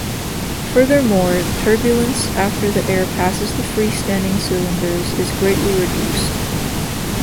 Furthermore, turbulence after the air passes the free-standing cylinders is greatly reduced.